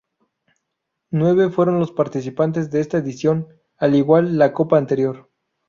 Nueve fueron los participantes de esta edición, al igual la Copa anterior.